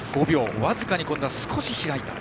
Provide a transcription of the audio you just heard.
僅かに今度は少し開いた。